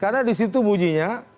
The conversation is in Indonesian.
karena di situ bujinya